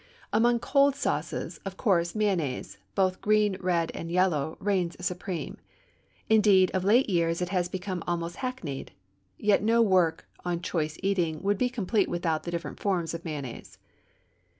Among cold sauces, of course mayonnaise, both green, red, and yellow, reigns supreme; indeed, of late years it has become almost hackneyed. Yet no work on choice eating would be complete without the different forms of mayonnaise.